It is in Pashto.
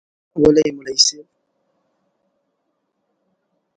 وله یی مولوی صیب